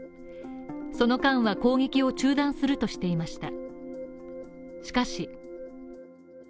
その間は攻撃を中断するとしていました。